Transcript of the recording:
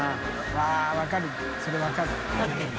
錣分かるそれ分かる。